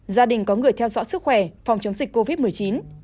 gia đình có người theo dõi sức khỏe phòng chống dịch covid một mươi chín